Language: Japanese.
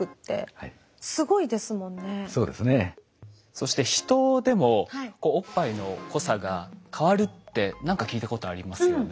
そしてヒトでもおっぱいの濃さが変わるって何か聞いたことありますよね。